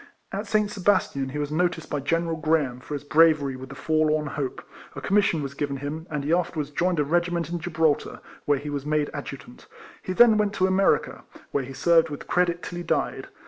At St. Sebastian he was noticed by General Graham, for his bra very with the forlorn hope, a commission was given him, and he afterwards joined a regiment in Gibraltar, where he was made Adjutant. He then went to America, where he served with credit till he died.